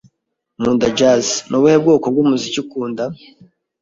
Nkunda jazz. Ni ubuhe bwoko bw'umuziki ukunda?